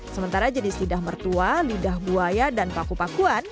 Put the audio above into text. sementara jenis lidah mertua lidah buaya dan paku pakuan